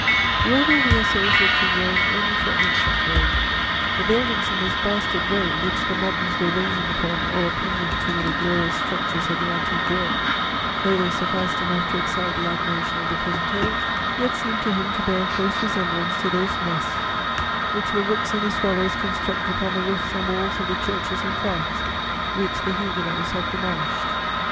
The author of the Essayes looked in Rome only for Ancient Rome: "The buildings in this bastard Rome, which the moderns were raising upon, or appending to, the glorious structures of the antique world, though they sufficed enough to excite the admiration of the present age, yet seemed to him to bear a close resemblance to those nests which the rooks and the swallows construct upon the roofs and walls of the churches in France, which the Huguenots have demolished."